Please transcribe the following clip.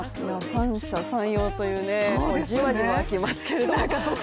三者三様という、じわじわきますけれども。